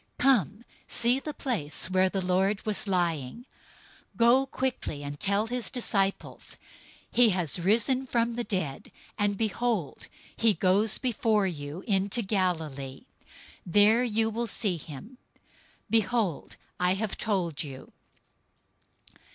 Come, see the place where the Lord was lying. 028:007 Go quickly and tell his disciples, 'He has risen from the dead, and behold, he goes before you into Galilee; there you will see him.' Behold, I have told you."